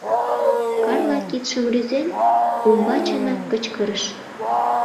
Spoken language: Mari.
Карла, кидшым рӱзен, умбачынак кычкырыш: